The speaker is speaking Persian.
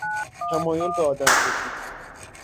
تمایل به آدمکشی